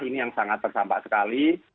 ini yang sangat terdampak sekali